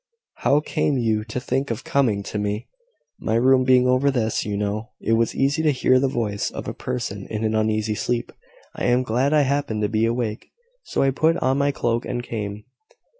How came you to think of coming to me?" "My room being over this, you know, it was easy to hear the voice of a person in an uneasy sleep. I am glad I happened to be awake: so I put on my cloak and came."